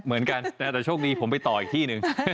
เหมือนกันแต่โชคดีผมไปต่ออีกที่หนึ่ง